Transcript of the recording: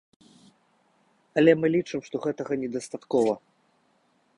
Але мы лічым, што гэтага недастаткова.